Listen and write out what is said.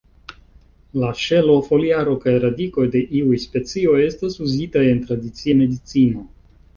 La ŝelo, foliaro kaj radikoj de iuj specioj estas uzitaj en tradicia medicino.